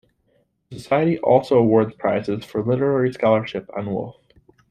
The Society also awards prizes for literary scholarship on Wolfe.